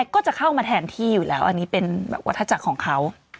ก็จะเข้ามาแทนที่อยู่แล้วอันนี้เป็นแบบวัฒจักรของเขา